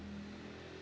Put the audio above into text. tidak ada yang mau